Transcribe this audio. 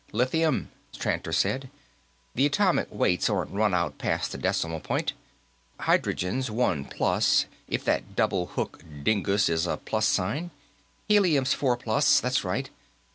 "Lithium," Tranter said. "The atomic weights aren't run out past the decimal point. Hydrogen's one plus, if that double hook dingus is a plus sign; Helium's four plus, that's right.